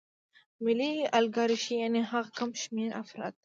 مالي الیګارشي یانې هغه کم شمېر افراد